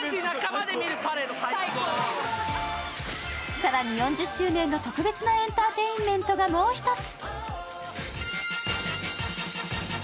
更に４０周年の特別なエンターテインメントがもう一つ。